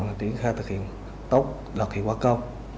tuyên truyền khác thực hiện tốt đạt kết quả cao